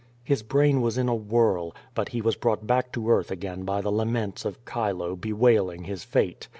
His brain was in a whirl. 15ut he was brought back to earth again by the laments of Chilo, bewailing his fate.